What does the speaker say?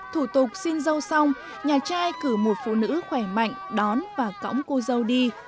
thủ tục xin dâu xong nhà trai cử một phụ nữ khỏe mạnh đón và cõng cô dâu đi